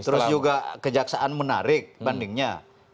terus juga kejaksaan menarik bandingnya